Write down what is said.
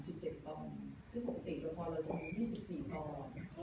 ซึ่งปกติเราก็จะปิดที่๑๔ตอน